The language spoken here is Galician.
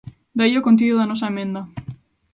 De aí o contido da nosa emenda.